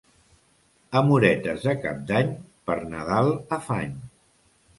Amoretes de Cap d'Any, per Nadal afany.